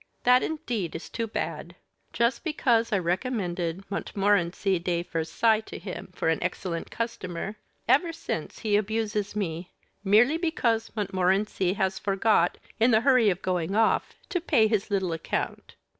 That, indeed, is too bad. Just because I recommended Montmorency de Versailles to him for an excellent customer, ever since he abuses me, merely because Montmorency has forgot, in the hurry of going off, to pay his little account."